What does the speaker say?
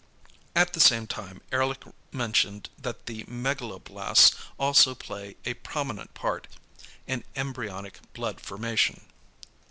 At the same time Ehrlich mentioned that the megaloblasts also play a prominent part in embryonic blood formation.